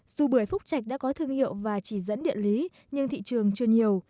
dù bưởi phúc trạch đã có thương hiệu và chỉ dẫn địa lý nhưng thị trường chưa nhiều